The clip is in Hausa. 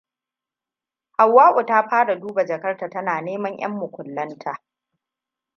Hauwatutu ta fara duba jakarta tana neman ƴanmukullanta.